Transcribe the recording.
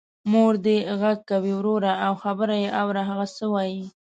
مور دی غږ کوې وروره او خبر یې اوره هغه څه وايي.